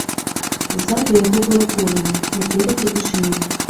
Ззаду яго было полымя, наперадзе вышыня.